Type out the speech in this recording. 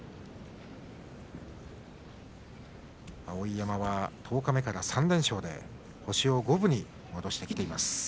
碧山は十日目から３連勝で星を五分に戻してきています。